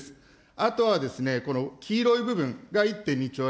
あとは黄色い部分が１．２兆円。